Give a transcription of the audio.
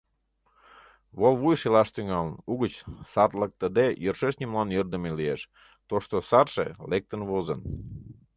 Вол вуй шелаш тӱҥалын, угыч сартлыктыде, йӧршеш нимолан йӧрдымӧ лиеш, тошто сартше лектын возын...